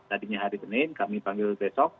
tadinya hari senin kami panggil besok